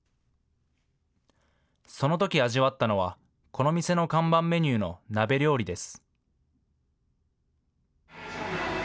そのとき味わったのは、この店の看板メニューの鍋料理です。